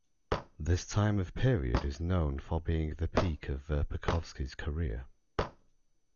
This time of period is known for being the peak of Verpakovskis's career.